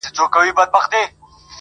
شاهدان مي سره ګلاب او پسرلي دي-